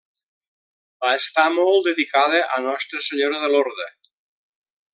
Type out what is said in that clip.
Va estar molt dedicada a Nostra Senyora de Lorda.